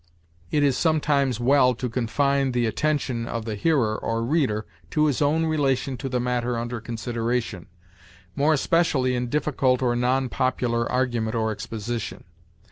It is sometimes well to confine the attention of the hearer or reader to his own relation to the matter under consideration, more especially in difficult or non popular argument or exposition.